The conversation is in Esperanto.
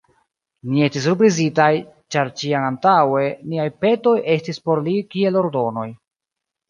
Ni estis surprizitaj, ĉar ĉiam antaŭe niaj petoj estis por li kiel ordonoj.